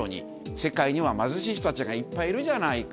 世界には貧しい人たちがいっぱいいるじゃないか。